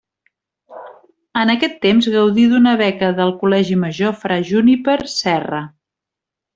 En aquest temps gaudí d'una beca del col·legi major Fra Juníper Serra.